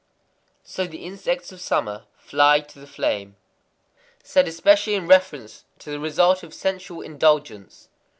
_ So the insects of summer fly to the flame. Said especially in reference to the result of sensual indulgence.